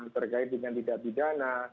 terkait dengan tidak pidana